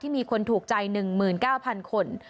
มีคนถูกใจ๑๙๐๐คน